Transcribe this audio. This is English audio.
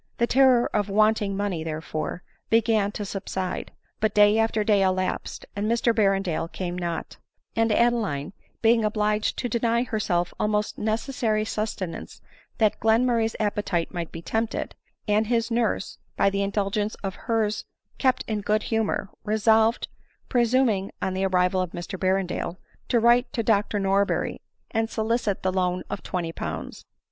The terror of wanting money, therefore, began to subside ; but day after day elapsed, and Mr Berrendale came not; and Adeline, being obliged to deny herself almost necessary sustenance that Glenmur ray's appetite might be tempted, and his nurse, by the indulgence of hers, kept in good humor, resolved, pre suming on the arrival of Mr Berrendale, to write to Dr Norberry and solicit the loan of twenty pounds.